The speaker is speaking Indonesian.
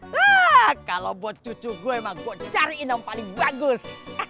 wah kalau buat cucu gue emang gue cariin yang paling bagus